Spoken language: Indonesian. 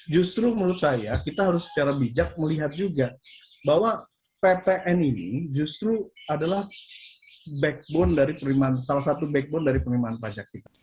justru menurut saya kita harus secara bijak melihat juga bahwa ppn ini justru adalah backbone dari pemerintah pajak kita